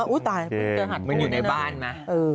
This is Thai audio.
อ๋ออุ๊ยตายมันอยู่ในบ้านนะ